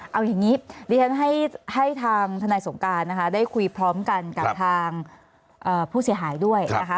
เอาอย่างนี้ดิฉันให้ทางทนายสงการนะคะได้คุยพร้อมกันกับทางผู้เสียหายด้วยนะคะ